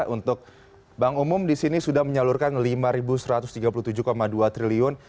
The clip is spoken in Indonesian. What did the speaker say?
untuk bank umum di sini sudah menyalurkan rp lima satu ratus tiga puluh tujuh dua triliun